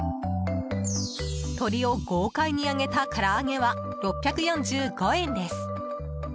鶏を豪快に揚げたから揚げは６４５円です。